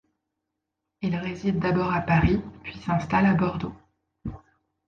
Il réside d’abord à Paris, puis s’installe à Bordeaux.